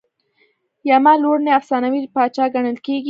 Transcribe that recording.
یما لومړنی افسانوي پاچا ګڼل کیږي